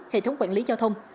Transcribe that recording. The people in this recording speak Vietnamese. hệ thống quản lý giao thông